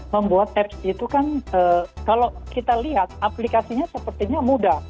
membuat apps itu kan kalau kita lihat aplikasinya sepertinya mudah